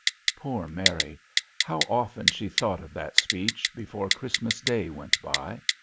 Poor Mary, how often she thought of that speech, before Christmas day went by!